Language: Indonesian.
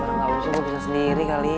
orang gak usah bisa sendiri kali